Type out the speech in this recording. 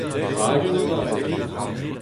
Hag unan all !